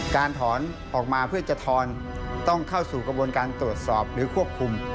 การถอนออกมาเพื่อจะทอนต้องเข้าสู่กระบวนการตรวจสอบหรือควบคุม